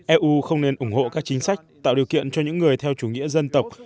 eu không nên ủng hộ các chính sách tạo điều kiện cho những người theo chủ nghĩa dân tộc